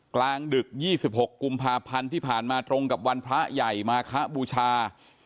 กลางดึก๒๖กุมภาพันธ์ที่ผ่านมาตรงกับวันพระใหญ่มาคะบูชา